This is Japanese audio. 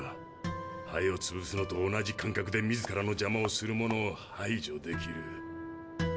ハエをつぶすのと同じ感覚で自らのじゃまをするものを排除できる。